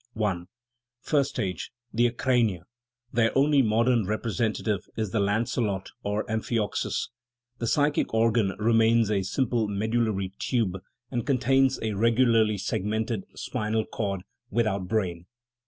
I. First stage the acrania: their only modern 166 THE PHYLOGENY OF THE SOUL representative is the lancelot or amphioxus; the psy chic organ remains a simple medullary tube, and con tains a regularly segmented spinal cord, without brain.